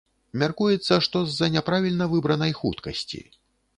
Мяркуецца, што з-за няправільна выбранай хуткасці.